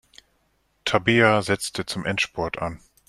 Tabea setzte zum Endspurt an.